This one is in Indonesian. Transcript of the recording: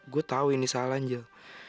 gue tau ini salah angel